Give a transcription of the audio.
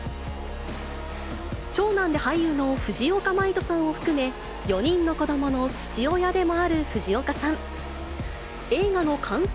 長男で俳優の藤岡真威人さんを含め、４人の子どもの父親でもある藤岡さん。